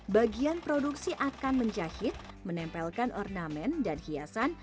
bagian produksi akan menjahit menempelkan ornamen dan hiasan